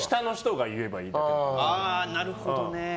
ああ、なるほどね。